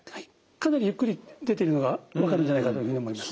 かなりゆっくり出ているのが分かるんじゃないかというふうに思います。